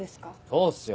そうっすよ。